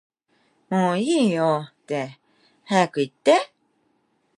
もういいよって早く言って